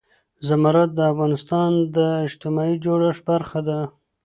زمرد د افغانستان د اجتماعي جوړښت برخه ده.